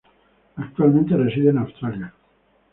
Actualmente reside en Australia.